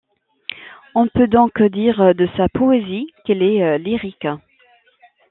On peut donc dire de sa poésie qu'elle est lyrique.